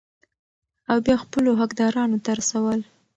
او بيا خپلو حقدارانو ته رسول ،